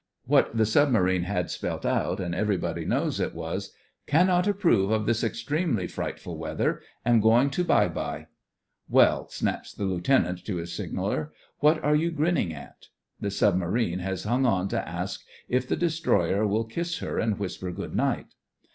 What the sub marine had spelt out, and everybody knows it, was: "Cannot approve of this extremely frightful weather. Am going to bye bye." "Well!" snaps the lieutenant to his signaller, "what are you grinning at.'*" The submarine has hung on to ask if the destroyer will "kiss her and whisper good night."